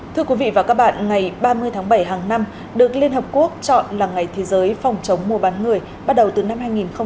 thưa quý vị và các bạn ngày ba mươi tháng bảy hàng năm được liên hợp quốc chọn là ngày thế giới phòng chống mua bán người bắt đầu từ năm hai nghìn một mươi chín